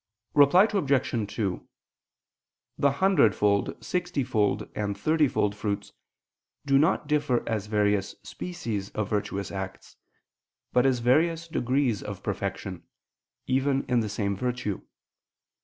Reply Obj. 2: The hundredfold, sixtyfold, and thirtyfold fruits do not differ as various species of virtuous acts, but as various degrees of perfection, even in the same virtue.